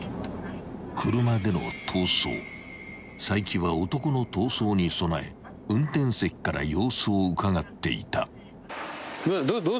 ［齋木は男の逃走に備え運転席から様子をうかがっていた］